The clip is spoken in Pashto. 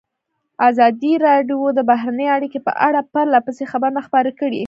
ازادي راډیو د بهرنۍ اړیکې په اړه پرله پسې خبرونه خپاره کړي.